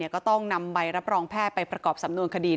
ก็ต้องนำใบรับรองแพทย์ไปประกอบสำนวนคดี